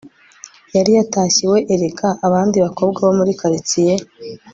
yari yatashye iwe. erega, abandi bakobwa bo muri quartier